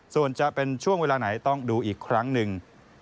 ส่วนจะเป็นช่วงเวลาไหนต้องดูอีกครั้งหนึ่ง